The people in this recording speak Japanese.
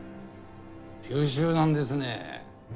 優秀なんですね。